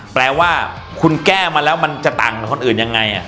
แปลว่าคุณแก้มาแล้วมันจะต่างกับคนอื่นยังไง